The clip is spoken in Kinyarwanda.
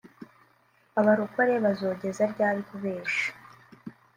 Abarokore bazogeza ryari kubesha